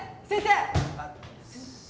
先生。